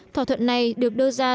thỏa thuận này được đưa ra